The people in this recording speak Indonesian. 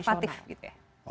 konservatif gitu ya